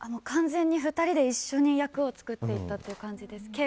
完全に２人で一緒に役を作っていたという感じです。